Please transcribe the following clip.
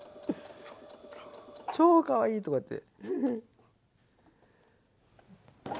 超かわいいとかって。